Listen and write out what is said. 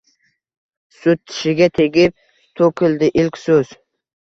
Sut tishiga tegib, to’kildi ilk so’z –